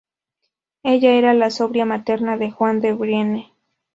Ella era la sobrina materna de Juan de Brienne.